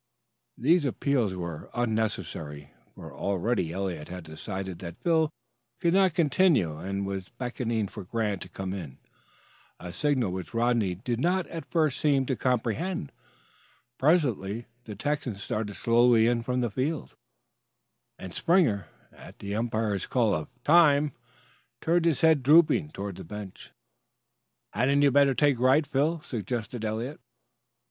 These appeals were unnecessary, for already Eliot had decided that Phil could not continue, and was beckoning for Grant to come in, a signal which Rodney did not at first seem to comprehend. Presently the Texan started slowly in from the field, and Springer, at the umpire's call of "time," turned, his head drooping, toward the bench. "Hadn't you better take right, Phil?" suggested Eliot.